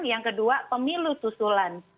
yang kedua pemilu susulan